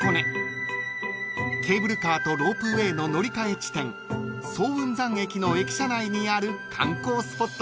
［ケーブルカーとロープウェイの乗り換え地点早雲山駅の駅舎内にある観光スポットです］